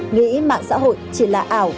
nghĩ mạng xã hội chỉ là ảo